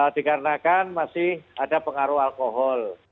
dikarenakan masih ada pengaruh alkohol